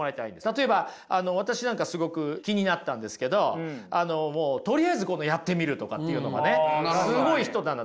例えば私なんかすごく気になったんですけどとりあえずやってみるとかっていうのもねすごい人だなと。